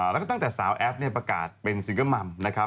แล้วก็ตั้งแต่สาวแอฟประกาศเป็นซิงเกิลมัมนะครับ